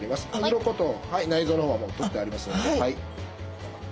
鱗と内臓の方はもう取ってありますのではい。